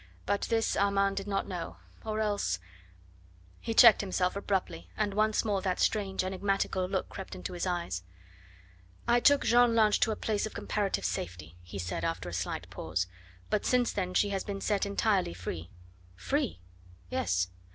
But this Armand did not know or else " He checked himself abruptly, and once more that strange, enigmatical look crept into his eyes. "I took Jeanne Lange to a place of comparative safety," he said after a slight pause, "but since then she has been set entirely free." "Free?" "Yes.